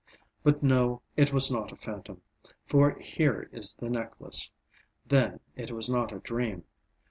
But no, it was not a phantom, for here is the necklace. Then it was not a dream.